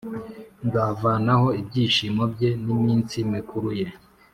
Nzavanaho ibyishimo bye n’iminsi mikuru ye,